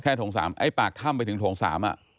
แค่ถงสามไอ้ปากถ้ำไปถึงถงสาม